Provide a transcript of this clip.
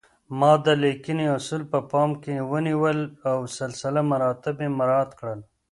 ما د لیکنې اصول په پام کې ونیول او سلسله مراتب مې مراعات کړل